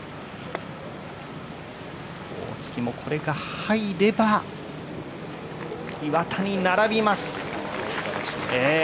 大槻もこれが入れば岩田に並びます。